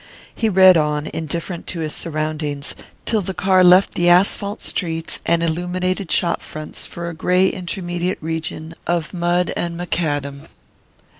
He read on, indifferent to his surroundings, till the car left the asphalt streets and illuminated shop fronts for a grey intermediate region of mud and macadam.